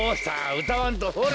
うたわんとほれ。